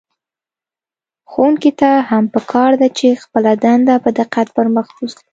ښوونکي ته هم په کار ده چې خپله دنده په دقت پر مخ بوځي.